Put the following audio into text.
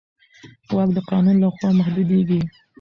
واک د قانون له خوا محدودېږي.